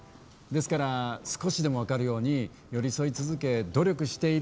ですから、少しでも分かるように寄り添い続け努力している。